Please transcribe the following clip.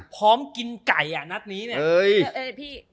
พร้อมกินไก่นัดนี้เนี่ย